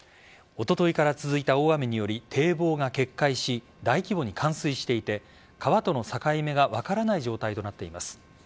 おとといから続いた大雨により堤防が決壊し大規模に冠水していて川との境目が分からない状態となっています。